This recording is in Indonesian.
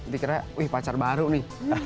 dikiranya wih pacar baru nih